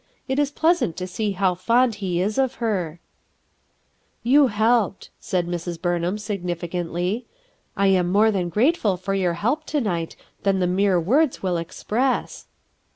It is pleasant to see how fond he is of her/' "You helped," said Mrs. Burnham, signifi THE OLD CAT! cantly. "I am more grateful for your help to night than the mere words will express